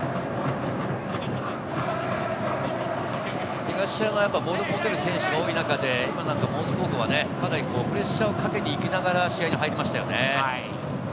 東山はボールを持てる選手が多い中で、大津高校はかなりプレッシャーをかけに行きながら、試合に入りましたね。